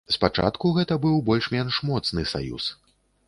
Спачатку гэта быў больш-менш моцны саюз.